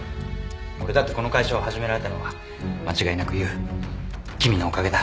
俺だってこの会社を始められたのは間違いなく優君のおかげだ。